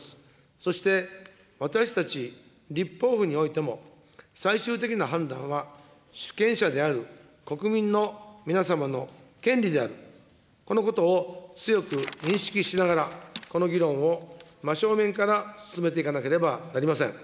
そして、私たち立法府においても、最終的な判断は、主権者である国民の皆様の権利である、このことを強く認識しながら、この議論を真正面から進めていかなければなりません。